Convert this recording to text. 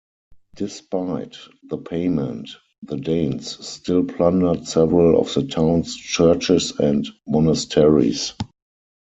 Despite the payment, the Danes still plundered several of the town's churches and monasteries.